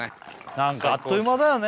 何かあっという間だよね